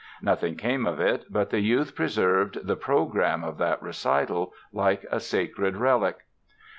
Nothing came of it but the youth preserved the program of that recital like a sacred relic.